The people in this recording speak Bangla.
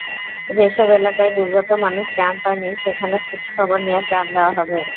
যেসব এলাকায় দুর্গত মানুষ ত্রাণ পায়নি, সেখানে খোঁজখবর নিয়ে ত্রাণ দেওয়া হবে।